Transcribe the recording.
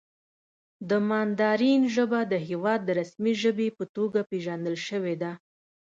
د ماندارین ژبه د هېواد د رسمي ژبې په توګه پېژندل شوې ده.